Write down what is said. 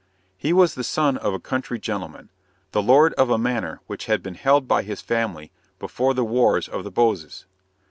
He was the son of a country gentleman, the lord of a manor which had been held by his family before the Wars of the Boses.